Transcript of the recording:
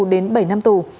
đến bảy năm tù